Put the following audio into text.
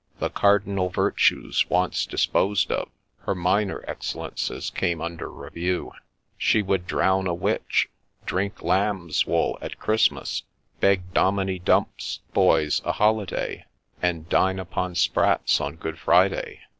The cardinal virtues once disposed of. her minor excellences came under review. She would drown THE LADY ROHESIA 169 a witch, drink lambs' wool at Christmas, beg Dominie Dumps's boys a holiday, and dine upon sprats on Good Friday